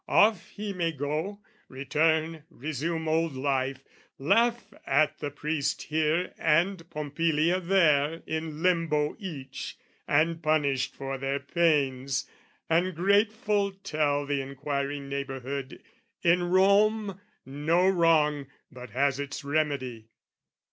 "Off he may go, return, resume old life, "Laugh at the priest here and Pompilia there "In limbo each and punished for their pains, "And grateful tell the inquiring neighbourhood "In Rome, no wrong but has its remedy."